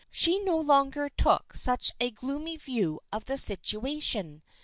She no longer took such a gloomy view of the situation.